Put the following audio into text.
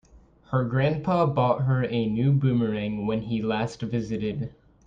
Her grandpa bought her a new boomerang when he last visited.